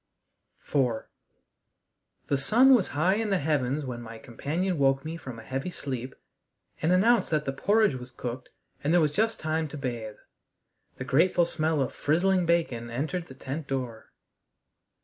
IV The sun was high in the heavens when my companion woke me from a heavy sleep and announced that the porridge was cooked and there was just time to bathe. The grateful smell of frizzling bacon entered the tent door.